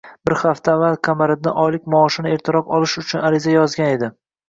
Bir hafta avval Qamariddin oylik maoshini ertaroq olish uchun ariza yozgan edi